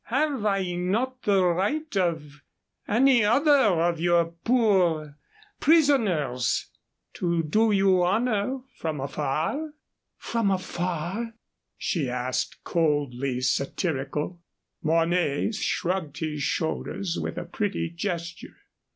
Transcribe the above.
Have I not the right of any other of your poor prisoners to do you honor from afar?" "From afar?" she asked, coldly satirical. Mornay shrugged his shoulders with a pretty gesture.